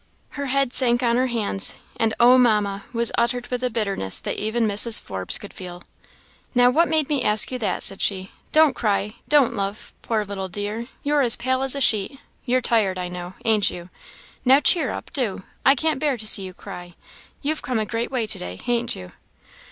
Her head sank on her hands, and "Oh, Mamma!" was uttered with a bitterness that even Mrs. Forbes could feel. "Now, what made me ask you that!" said she. "Don't cry! don't, love; poor little dear! you're as pale as a sheet; you're tired, I know ain't you? Now, cheer up, do I can't bear to see you cry. You've come a great way to day, han't you?"